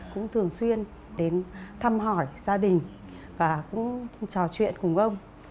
cũng thường xuyên đến thăm hỏi gia đình và cũng trò chuyện cùng ông